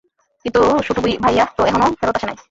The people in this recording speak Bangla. কিন্তু শুটু ভাইয়া তো এহনও ফেরত আসে নাই।